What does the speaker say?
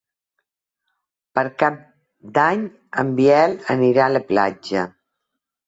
Per Cap d'Any en Biel anirà a la platja.